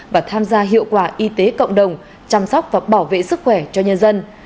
và tham gia hiệu quả y tế cộng đồng chăm sóc và bảo vệ sức khỏe cho nhân dân